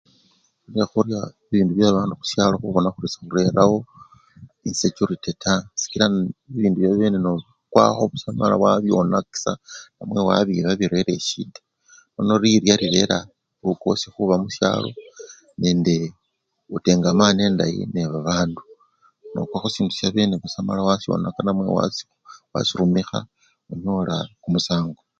Khuli nekhurya bibindu byebabandu khushalo khubona khuri sekhurerawo insechuriti taa sikila bibindu byabene nokwakho busa mala wabyonakisha namwe wabira birera eshida nono lirya lirera lukosi khuba musyalo nendee utemgamano endayi nende babandu, nokkwa khusindu syabene busa mala wasyonaka namwe wasi! wasirumikha, unyola kumusango.